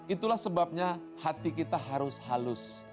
itulah sebabnya hati kita harus halus